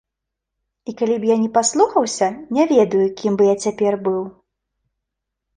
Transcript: І калі б я яе не паслухаўся, не ведаю, кім бы я цяпер быў.